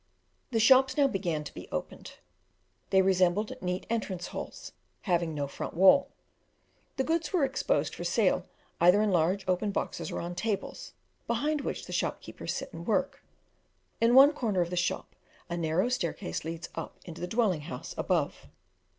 The shops now began to be opened. They resemble neat entrance halls, having no front wall. The goods were exposed for sale either in large open boxes or on tables, behind which the shopkeepers sit and work. In one corner of the shop, a narrow staircase leads up into the dwelling house above.